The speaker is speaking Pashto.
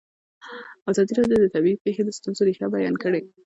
ازادي راډیو د طبیعي پېښې د ستونزو رېښه بیان کړې.